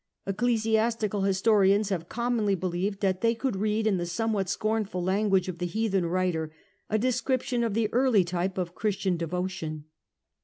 Ecclesiastical historians have commonly believed that they could read in the somewhat scornful language the heathen writer a description of the early type of Christian devotion.